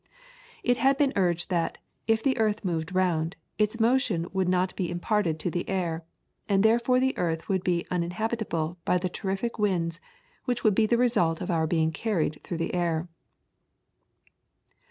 It had been urged that, if the earth moved round, its motion would not be imparted to the air, and that therefore the earth would be uninhabitable by the terrific winds which would be the result of our being carried through the air.